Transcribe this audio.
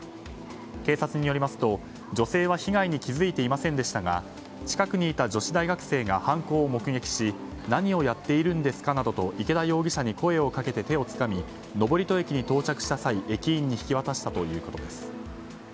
警察によりますと、女性は被害に気付いていませんでしたが近くにいた女子大学生が犯行を目撃し何をやってるんですかなどと池田容疑者に声をかけて手をつかみ登戸駅に到着した際駅員に引き渡したということです。